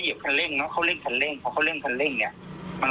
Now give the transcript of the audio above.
เหยียบคันเร่งเขาเล่นคันเร่งเขาเล่นคันเร่งเนี้ยมัน